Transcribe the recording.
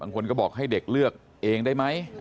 คนก็บอกให้เด็กเลือกเองได้ไหม